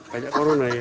banyak corona ya